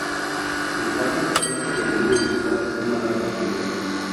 Sus patas, pico y anillo ocular son naranja brillante.